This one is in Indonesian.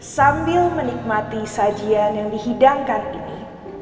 sambil menikmati sajian yang dihidangkan ini